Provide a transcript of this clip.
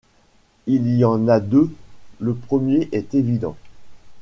il y en a deux. Le premier est évident.